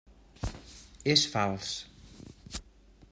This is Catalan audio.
És fals.